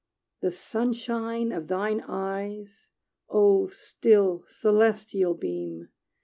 The sunshine of thine eyes, (Oh still, celestial beam!)